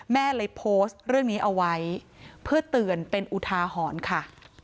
แม่เลยโพสต์เรื่องนี้เอาไว้เพื่อเตือนเป็นอุทาหรณ์ค่ะ